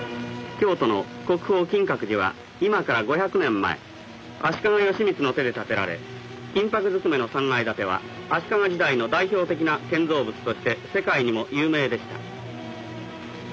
京都の国宝金閣寺は今から５００年前足利義満の手で建てられ金ぱくずくめの３階建ては足利時代の代表的な建造物として世界にも有名でした。